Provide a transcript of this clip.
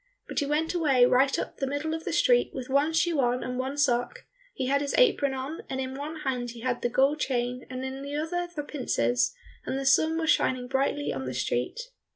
But he went away right up the middle of the street with one shoe on and one sock; he had his apron on, and in one hand he had the gold chain and in the other the pincers, and the sun was shining brightly on the street.